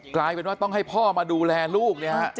กลายเป็นว่าต้องให้พ่อมาดูแลลูกเนี่ยฮะ